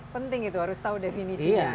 penting itu harus tahu definisinya